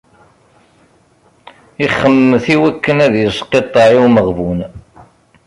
Ixemmet iwakken ad isqiṭṭeɛ i umeɣbun.